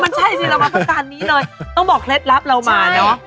มันใช่สิเรามาต้องการนี้เลยต้องบอกเคล็ดลับเรามาเนอะ